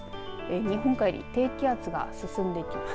日本海に低気圧が進んできます。